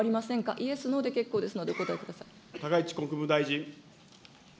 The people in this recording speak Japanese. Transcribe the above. イエス、ノーで結構ですのでお答高市国務大臣。